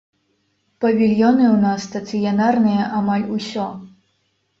Павільёны ў нас стацыянарныя амаль усё.